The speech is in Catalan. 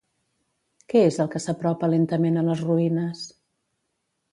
Què és el que s'apropa lentament a les ruïnes?